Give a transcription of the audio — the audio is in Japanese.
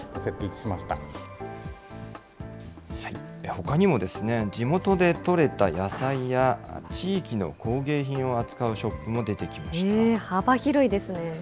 ほかにも地元で取れた野菜や地域の工芸品を扱うショップも出幅広いですね。